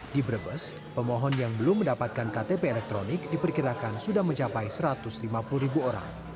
di brebes pemohon yang belum mendapatkan ktp elektronik diperkirakan sudah mencapai satu ratus lima puluh ribu orang